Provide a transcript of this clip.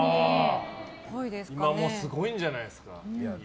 すごいんじゃないですか？